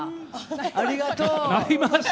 ありがとう！